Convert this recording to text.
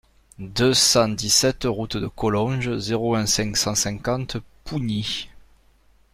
deux cent dix-sept route de Collonges, zéro un, cinq cent cinquante Pougny